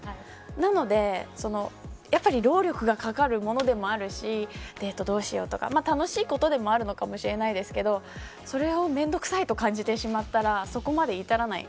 なので、その労力がかかるものでもあるしデートどうしようとか楽しいことでもあるのかもしれないですけどそれを面倒くさいと感じてしまったら、そこまで至らない。